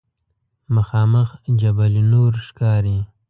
مخامخ جبل نور ښکاري.